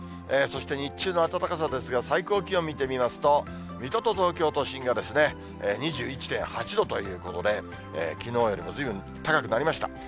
そして日中の暖かさですが、最高気温見てみますと、水戸と東京都心が２１．８度ということで、きのうよりもずいぶん高くなりました。